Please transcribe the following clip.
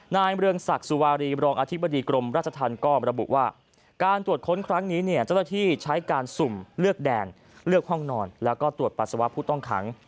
เมืองศักดิ์สุวารีบรองอธิบดีกรมราชธรรมก็ระบุว่าการตรวจค้นครั้งนี้เนี่ยเจ้าหน้าที่ใช้การสุ่มเลือกแดนเลือกห้องนอนแล้วก็ตรวจปัสสาวะผู้ต้องขัง